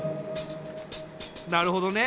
なるほどね。